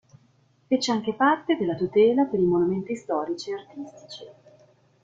Fece anche parte della tutela per i monumenti storici e artistici.